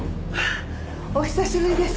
お久しぶりです。